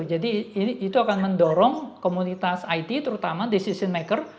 jadi itu akan mendorong komunitas it terutama decision maker